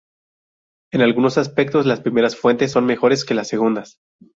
En algunos aspectos las primeras fuentes son mejores que las segundas.